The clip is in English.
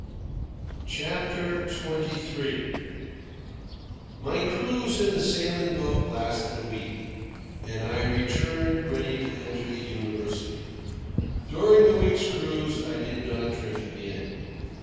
CHAPTER XXIII My cruise in the salmon boat lasted a week, and I returned ready to enter the university. During the week's cruise I did not drink again.